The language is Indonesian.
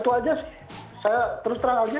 itu saja saya terus terang saja